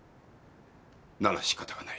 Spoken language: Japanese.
ならしかたがない。